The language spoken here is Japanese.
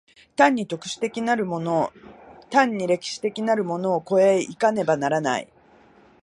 単に特殊的なるもの単に歴史的なるものを越え行かねばならない。